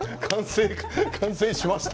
「完成しました！」